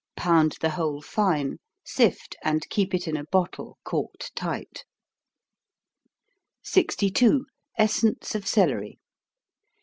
Pound the whole fine, sift, and keep it in a bottle corked tight. 62. _Essence of Celery.